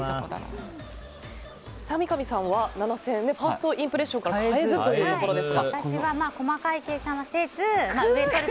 三上さんは７０００円でファーストインプレッションから変えずというところです。